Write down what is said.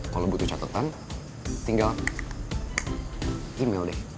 kalau butuh catatan tinggal email deh